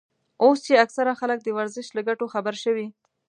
اوس چې اکثره خلک د ورزش له ګټو خبر شوي.